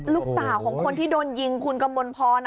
ลูกสาวของคนที่โดนยิงคุณกมลพร